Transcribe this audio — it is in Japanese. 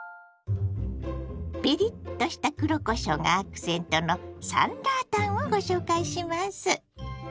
ピリッとした黒こしょうがアクセントの酸辣湯をご紹介します。